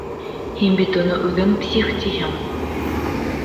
Һин бит уны үҙең псих тиһең...